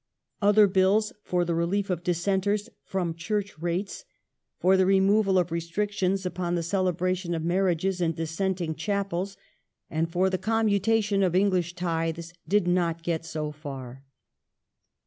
Other Bills for the relief of Dissenters from Church rates, for the removal of restrictions upon the celebration of marriages in Dissenting Chapels, and for the commutation of English tithes, did not get so far.